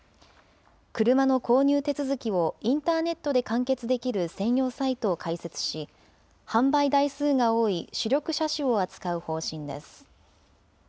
車の購入手続きをインターネットで完結できる専用サイトを開設し、販売台数が多い主力車種を扱う方針です。